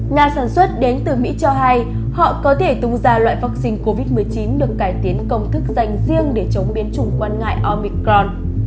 nhà sản xuất đến từ mỹ cho hay họ có thể tung ra loại vaccine covid một mươi chín được cải tiến công thức dành riêng để chống biến chủng quan ngại omicron